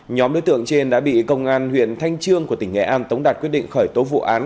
nhóm đối tượng trên đã bị công an huyện thanh trương của tỉnh nghệ an tống đạt quyết định khởi tố vụ án